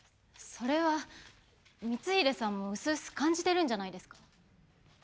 それは光秀さんもうすうす感じてるんじゃないですか？